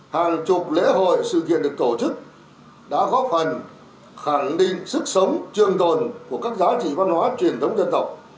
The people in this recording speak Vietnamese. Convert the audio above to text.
hàng chục lễ hội sự kiện được tổ chức đã góp phần khẳng định sức sống trường tồn của các giá trị văn hóa truyền thống dân tộc